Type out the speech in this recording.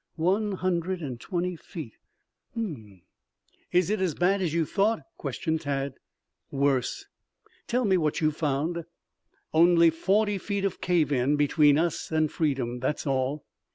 "One hundred and twenty feet. H m m m." "Is it as bad as you thought?" questioned Tad. "Worse." "Tell me what you have found?" "Only forty feet of cave in between us and freedom. That's all."